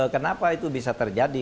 kenapa itu bisa terjadi